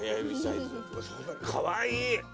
・かわいい！